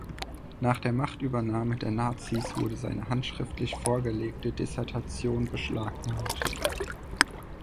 Nach der Machtübernahme der Nazis wurde seine handschriftlich vorgelegte Dissertation beschlagnahmt.